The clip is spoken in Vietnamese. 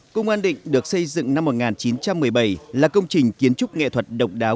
công an định được xây dựng năm một nghìn chín trăm một mươi bảy là công trình kiến trúc nghệ thuật độc đáo